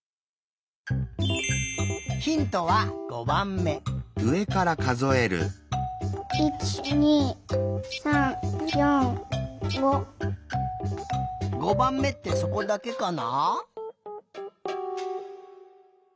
ヒントは５ばんめってそこだけかな？